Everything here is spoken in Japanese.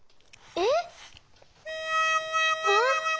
えっ？